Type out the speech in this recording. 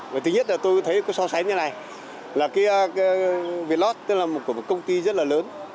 và thứ nhất là tôi thấy cái so sánh như thế này là cái việt lót là một công ty rất là lớn